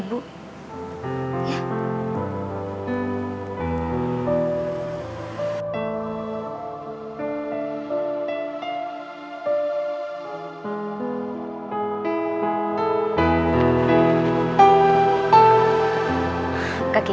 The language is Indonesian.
semoga ibu bisa pergi